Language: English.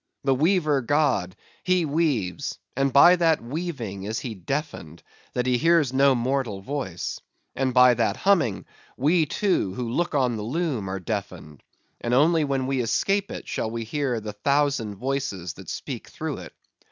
The weaver god, he weaves; and by that weaving is he deafened, that he hears no mortal voice; and by that humming, we, too, who look on the loom are deafened; and only when we escape it shall we hear the thousand voices that speak through it.